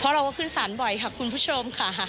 เพราะเราก็ขึ้นสารบ่อยค่ะคุณผู้ชมค่ะ